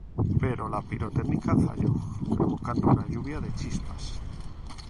Pero la pirotecnia falló, provocando una lluvia de chispas.